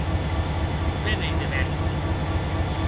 Be n’ei de bèstia!